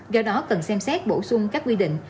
do đó cần xem xét bổ sung các quy định